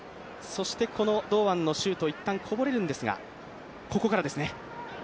そして、堂安のシュートいったん、こぼれるんですがここからですね。